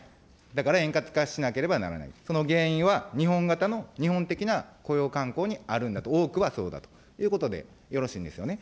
だから円滑化しなければならない、その原因は、日本型の、日本的な雇用慣行にあるんだと、多くはそうだということで、よろしいんですよね。